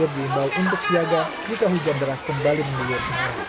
lagi imbal untuk siaga jika hujan deras kembali mengeluh